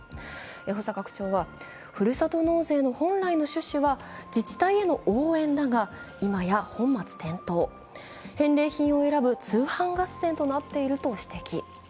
保坂区長は、ふるさと納税の本来の趣旨は自治体への応援だが、今や本末転倒返礼品を選ぶ通販合戦となっていると指摘。